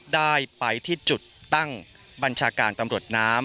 ได้ไปที่จุดตั้งบัญชาการตำรวจน้ำ